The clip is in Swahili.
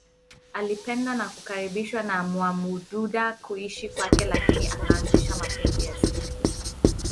Alipendwa na kukaribishwa na Mwamududa kuishi kwake lakini akaanzisha mapenzi ya siri